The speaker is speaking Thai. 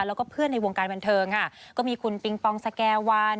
แล้วก็เพื่อนในวงการบันเทิงค่ะก็มีคุณปิงปองสแก่วัน